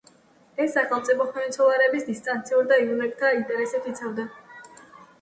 ეს სახელმწიფო ჰოენცოლერნების დინასტიურ და იუნკერთა ინტერესებს იცავდა.